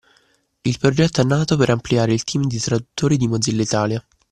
Il progetto è nato per ampliare il team di traduttori di Mozilla Italia